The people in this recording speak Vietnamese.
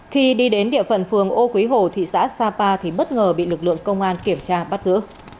khi đi đến địa phận phường ô quý hồ thị xã sapa thì bất ngờ bị lực lượng công an kiểm tra bắt giữ